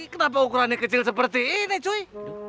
kenapa ukurannya kecil seperti ini cui